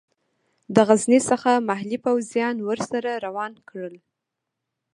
د غزني څخه محلي پوځیان ورسره روان کړل.